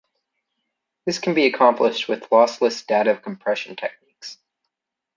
This can be accomplished with lossless data compression techniques.